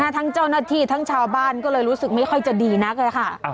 ทั้งเจ้าหน้าที่ทั้งชาวบ้านก็เลยรู้สึกไม่ค่อยจะดีนักค่ะ